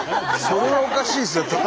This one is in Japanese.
それはおかしいですよたたきは。